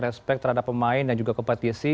respect terhadap pemain dan juga kompetisi